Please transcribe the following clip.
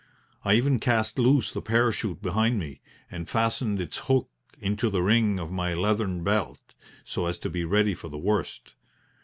I even cast loose the parachute behind me, and fastened its hook into the ring of my leathern belt, so as to be ready for the worst.